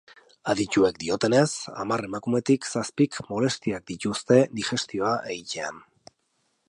Adituek diotenez, hamar emakumetik zazpik molestiak dituzte digestioa egitean.